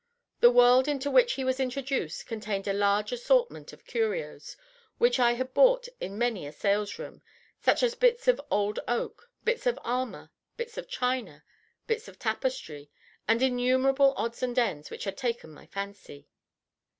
The world into which he was introduced contained a large assortment of curios which I had bought in many a salesroom, such as bits of old oak, bits of armor, bits of china, bits of tapestry, and innumerable odds and ends which had taken my fancy.